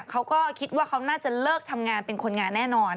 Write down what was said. เขาก็คิดว่าเขาน่าจะเลิกทำงานเป็นคนงานแน่นอน